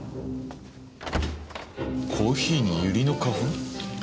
コーヒーにユリの花粉？